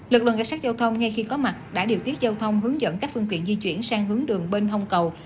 lực lượng cảnh sát giao thông ngay khi có mặt đã điều tiết giao thông hướng dẫn các phương tiện di chuyển sang hướng đường bên hông cầu